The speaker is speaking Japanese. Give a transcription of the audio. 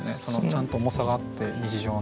ちゃんと重さがあって日常の。